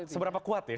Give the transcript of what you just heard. seberapa kuat ya